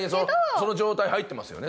その状態入ってますよね？